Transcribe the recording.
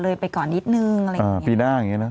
รอเลยไปก่อนนิดหนึ่งอะไรอย่างนี้